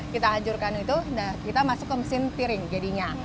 kita hancurkan itu dan kita masuk ke mesin piring jadinya